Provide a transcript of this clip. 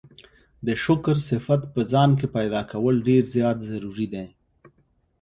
د شکر صفت په ځان کي پيدا کول ډير زيات ضروري دی